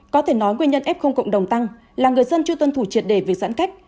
có thể nói nguyên nhân f cộng đồng tăng là người dân chưa tuân thủ triệt đề việc giãn cách